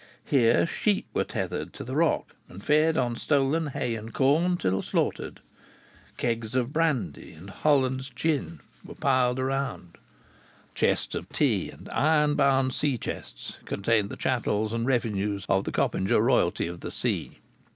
Here sheep were tethered to the rock, and fed on stolen hay and corn till slaughtered; kegs of brandy and hollands were piled around; chests of tea; and iron bound sea chests contained the chattels and revenues of the Coppinger royalty of the sea....